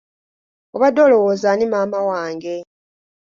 Obadde olowooza ani maama wange?